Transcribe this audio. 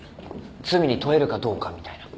罪に問えるかどうかみたいな。